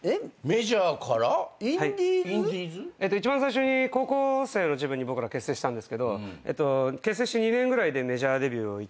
一番最初に高校生の時分に僕ら結成したんですけど結成して２年ぐらいでメジャーデビューを一回しまして。